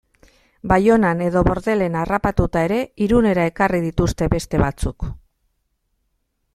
Baionan edo Bordelen harrapatuta ere Irunera ekarri dituzte beste batzuk...